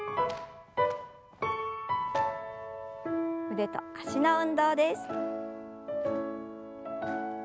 腕と脚の運動です。